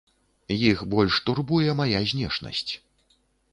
Іх больш турбуе мая знешнасць.